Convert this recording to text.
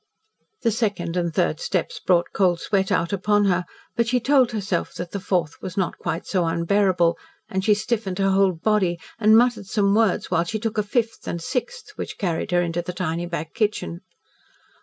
The second and third steps brought cold sweat out upon her, but she told herself that the fourth was not quite so unbearable, and she stiffened her whole body, and muttered some words while she took a fifth and sixth which carried her into the tiny back kitchen.